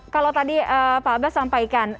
kalau tadi pak abbas sampaikan